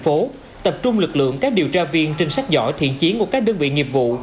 phố tập trung lực lượng các điều tra viên trinh sát giỏi thiện chiến của các đơn vị nghiệp vụ